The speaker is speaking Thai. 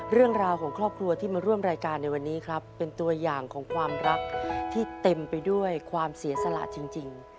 เรื่องราวของครอบครัวที่มาร่วมรายการในวันนี้ครับเป็นตัวอย่างของความรักที่เต็มไปด้วยความเสียสละจริง